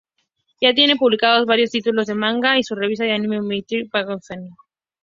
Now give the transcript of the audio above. Ya tiene publicados varios títulos de manga, y su revista de anime "Newtype Magazine".